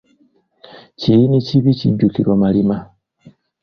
Kiyini kibi kijjukirwa malima.